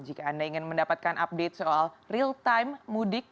jika anda ingin mendapatkan update soal real time mudik